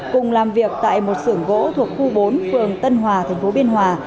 cùng làm việc tại một xưởng gỗ thuộc khu bốn phường tân hòa tp biên hòa